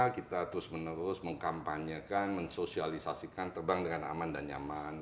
kita terus menerus mengkampanyekan mensosialisasikan terbang dengan aman dan nyaman